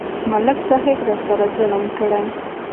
ملک صاحب راسره ظلم کړی.